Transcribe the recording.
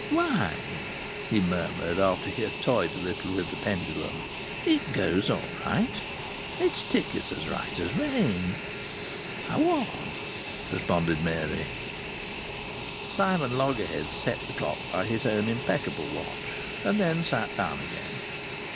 "Why!" he murmured, after he had toyed a little with the pendulum, "it goes all right. Its tick is as right as rain." "How odd!" responded Mary. Simon Loggerheads set the clock by his own impeccable watch, and then sat down again.